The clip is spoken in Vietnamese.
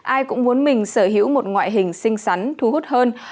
ai cũng muốn mình sở hữu một ngoại hình xinh xắn thu hút hơn